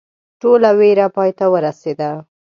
ټوله ویره پای ته ورسېده.